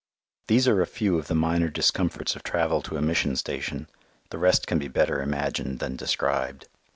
These are a few of the minor discomforts of travel to a mission station; the rest can be better imagined than described.